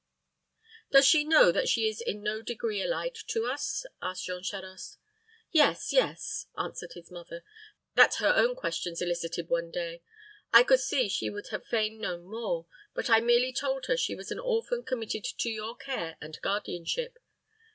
"Does she know that she is in no degree allied to us?" asked Jean Charost. "Yes, yes," answered his mother; "that her own questions elicited one day. I could see she would have fain known more; but I merely told her she was an orphan committed to your care and guardianship.